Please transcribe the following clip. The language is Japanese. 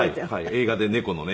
映画で猫のね